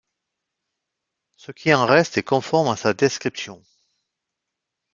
Ce qui en reste est conforme à sa description.